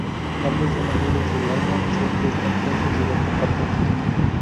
Ambos son amigos del alma, siempre están juntos y lo comparten todo.